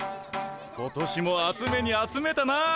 今年も集めに集めたな。